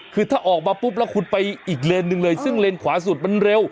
คือถ้าออกมาปุ๊บแล้วคุณไปอีกเลนหนึ่งเลยซึ่งเลนขวาสุดมันเร็ว